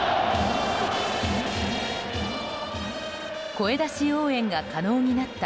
声出し応援が可能になった